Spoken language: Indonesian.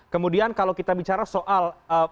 kemudian kalau kita bicara soal